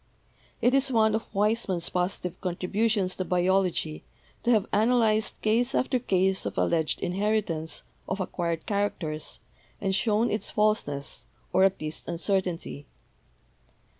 It is one of Weismann's positive contributions to biology to have analyzed case after case of alleged inheritance of acquired characters and shown its falseness, or at least uncertainty.